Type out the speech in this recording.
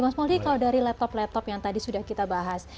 mas mouldie kalau dari laptop laptop yang tadi sudah kita bahas